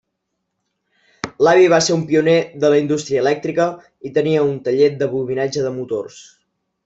L'avi va ser un pioner de la indústria elèctrica i tenia un taller de bobinatge de motors.